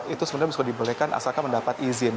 itu sebenarnya bisa dibolehkan asalkan mendapat izin